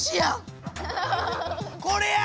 これや！